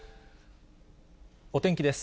お天気です。